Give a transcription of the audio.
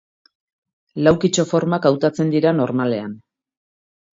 Laukitxo formak hautatzen dira normalean.